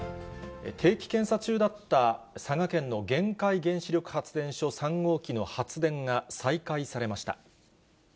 定期検査中だった佐賀県の玄海原子力発電所３号機の発電が再開されました。